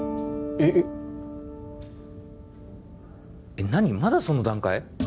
えっ何まだその段階？